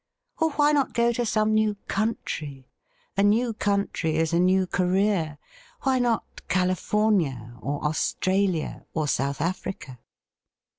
Or why not go to some new country .'' A new country is a new career. Why not California, or Australia, or South Africa